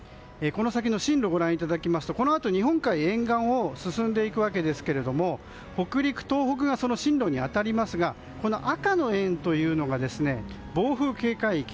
この先の進路ご覧いただきますとこのあと日本海沿岸を進んでいくわけですが北陸、東北がその進路に当たりますが赤の円が暴風警戒域。